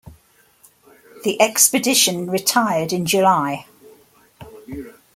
The expedition retired in July.